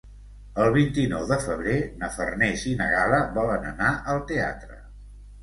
El vint-i-nou de febrer na Farners i na Gal·la volen anar al teatre.